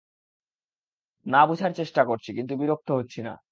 না বুঝার চেষ্টা করছি, কিন্তু বিরক্ত হচ্ছি না।